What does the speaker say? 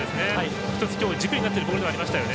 １つ、きょうの軸になっているボールがありましたね。